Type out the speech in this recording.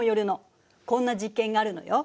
こんな実験があるのよ。